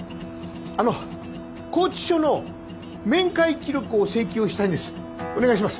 あの拘置所の面会記録を請求したいんです。